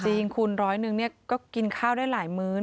จริงคุณร้อยหนึ่งก็กินข้าวได้หลายมื้อ